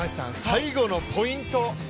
最後のポイント。